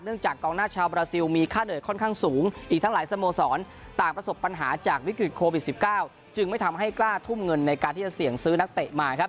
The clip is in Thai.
จากกองหน้าชาวบราซิลมีค่าเหนื่อยค่อนข้างสูงอีกทั้งหลายสโมสรต่างประสบปัญหาจากวิกฤตโควิด๑๙จึงไม่ทำให้กล้าทุ่มเงินในการที่จะเสี่ยงซื้อนักเตะมาครับ